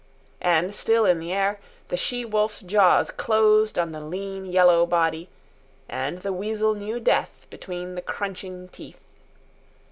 And, still in the air, the she wolf's jaws closed on the lean, yellow body, and the weasel knew death between the crunching teeth.